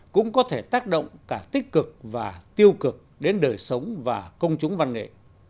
cũng có thể tác động cả tích cực và tiêu cực đến đời sống và công chúng văn nghệ